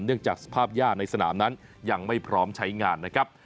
จากสภาพย่าในสนามนั้นยังไม่พร้อมใช้งานนะครับ